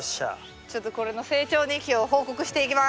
ちょっとこれの成長日記を報告していきます。